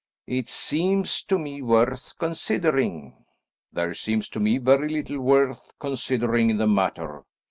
"It seems to me worth considering." "There seems to me very little worth considering in the matter.